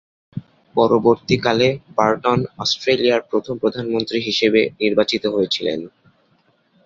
পরবর্তীকালে বার্টন অস্ট্রেলিয়ার প্রথম প্রধানমন্ত্রী হিসেবে নির্বাচিত হয়েছিলেন।